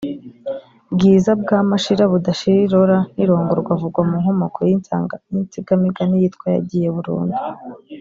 Bwiza bwa Mashira budashira irora n’irongorwa avugwa mu nkomoko y’insingamigani yitwa “Yagiye Burundu”